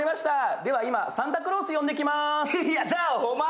では今、サンタクロース呼んできまーす。